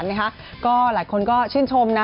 นะคะก็หลายคนก็ชื่นชมนะ